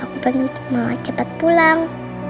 aku pengen cepat pulang